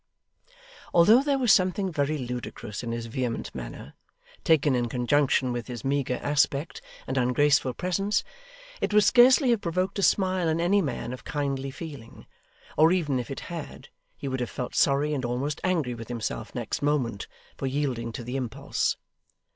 Although there was something very ludicrous in his vehement manner, taken in conjunction with his meagre aspect and ungraceful presence, it would scarcely have provoked a smile in any man of kindly feeling; or even if it had, he would have felt sorry and almost angry with himself next moment, for yielding to the impulse.